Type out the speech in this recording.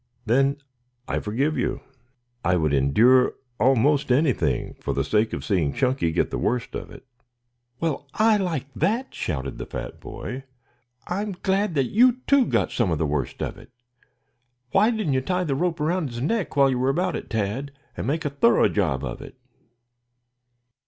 "Then I forgive you. I would endure almost anything for the sake of seeing Chunky get the worst of it." "Well, I like that!" shouted the fat boy. "I'm glad that you, too, got some of the worst of it. Why didn't you tie the rope around his neck while you were about it, Tad, and make a thorough job of it?"